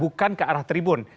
bukan ke arah tribun